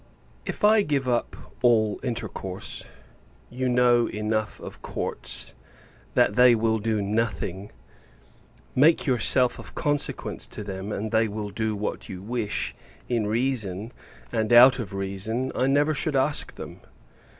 If I give up all intercourse you know enough of Courts, that they will do nothing: make yourself of consequence to them, and they will do what you wish, in reason; and, out of reason, I never should ask them.